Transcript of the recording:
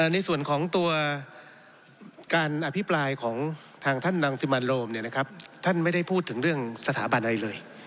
ในส่วนของตัวการอภิปรายของทางท่านรังสิมันโรมท่านไม่ได้พูดถึงเรื่องสถาบันอะไรเลย